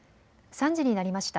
３時になりました。